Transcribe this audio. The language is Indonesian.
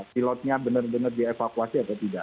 pilotnya bener bener dievakuasi atau tidak